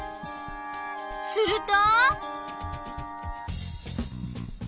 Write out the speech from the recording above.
すると！？